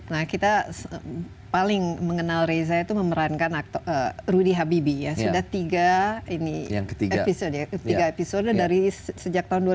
nah kita paling mengenal reza itu memerankan rudy habibie ya sudah tiga episode dari sejak tahun dua ribu dua belas ya